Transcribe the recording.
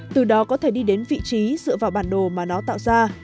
từ đó có thể đi đến vị trí dựa vào bản đồ mà nó tạo ra